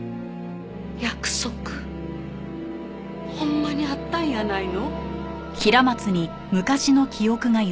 約束ほんまにあったんやないの？